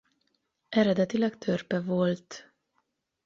Eredetileg törpe volt.